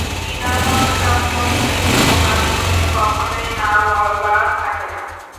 টিনা, সত্যটা মন থেকে প্রকাশ করলে, কখনই না বলা থাকে না।